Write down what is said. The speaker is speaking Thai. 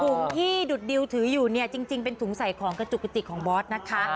ถุงที่ดุดดิวถืออยู่เนี่ยจริงเป็นถุงใส่ของกระจุกกระติกของบอสนะคะ